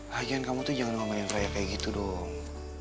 lagian kamu tuh jangan ngemenin raya kayak gitu dong